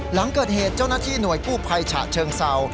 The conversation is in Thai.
หลังเกิดเหตุเจ้าหน้าที่หน่วยกู้ภัยฉะเชิงเศร้า